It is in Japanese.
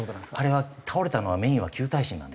あれは倒れたのはメインは旧耐震なんですよ。